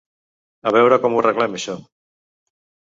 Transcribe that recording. A veure com ho arreglem això.